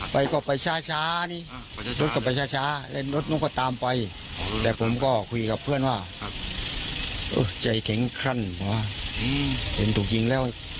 ไปก็ไปช้านี่รถก็ไปช้าแล้วรถนู้นก็ตามไปแต่ผมก็คุยกับเพื่อนว่าใจแข็งคลั่นเห็นถูกยิงแล้ว